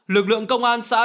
lực lượng công an xã